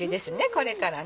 これから。